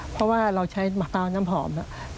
เพราะว่าเราใช้มะพร้าวน้ำหอม